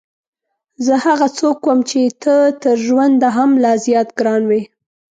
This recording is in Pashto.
زه هغه څوک وم چې ته تر ژونده هم لا زیات ګران وې.